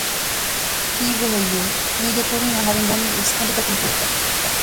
ކީއްވެ ހެއްޔެވެ؟ މީގެ ކުރިން އަހަރެންގެ ހަޔާތް ވަނީ އުސްގަނޑުތަކުން ފުރިފަ